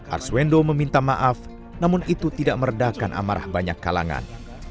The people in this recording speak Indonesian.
arswendo meminta maaf namun itu tidak meredahkan amarah banyak kalangan